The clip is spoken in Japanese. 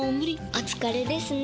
お疲れですね。